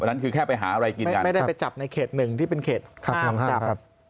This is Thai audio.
นั้นคือแค่ไปหาอะไรกินกันไม่ได้ไปจับในเขตหนึ่งที่เป็นเขตหนองจับ